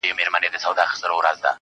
مهنزیو نجونې واړه لکه خرې دي